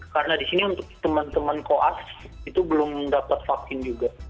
karena disini untuk teman teman koas itu belum mendapat vaksin juga